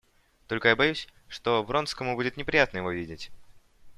Только я боюсь, что Вронскому будет неприятно его видеть.